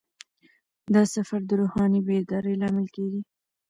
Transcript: دا سفر د روحاني بیدارۍ لامل کیږي.